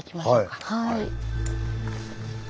はい。